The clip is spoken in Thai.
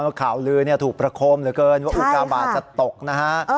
ข่าวลือถูกประโคมเหลือเกินว่าอุกาบาทจะตกนะฮะ